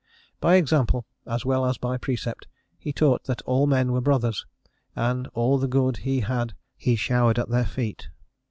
By example, as well as by precept, he taught that all men were brothers, and all the good he had he showered at their feet.